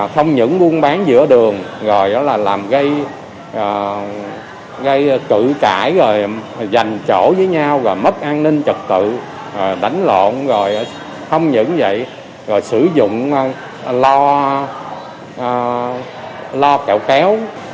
không những buôn bán giữa đường làm gây cử cãi dành chỗ với nhau mất an ninh trực tự đánh lộn không những vậy sử dụng lo kẹo kéo